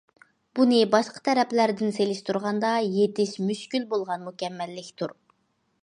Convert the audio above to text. بۇنى باشقا تەرەپلەردىن سېلىشتۇرغاندا، يېتىش مۈشكۈل بولغان مۇكەممەللىكتۇر.